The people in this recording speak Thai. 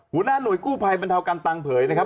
หัวหน้าหน่วยกู้ภัยบรรเทาการตังเผยนะครับ